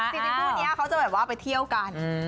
สปุ่นนี้เขาจะไปเที่ยวกัน